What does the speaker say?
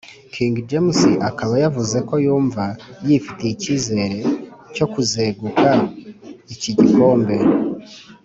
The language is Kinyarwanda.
King james akaba yavuze ko yumva yifitiye ikizere cyo kuzeguka iki gikombe